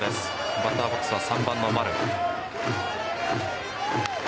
バッターボックスは３番の丸。